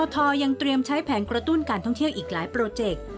ทยังเตรียมใช้แผนกระตุ้นการท่องเที่ยวอีกหลายโปรเจกต์